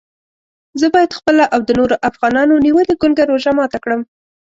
زه باید خپله او د نورو افغانانو نیولې ګونګه روژه ماته کړم.